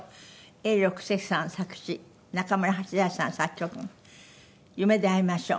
永六輔さん作詞中村八大さん作曲『夢であいましょう』。